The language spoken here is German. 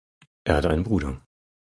Er hat einen Bruder.